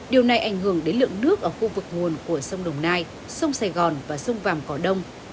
điều này ảnh hưởng đến lượng nước ở khu vực nguồn của sông đồng nai sông sài gòn và sông vàm cỏ đông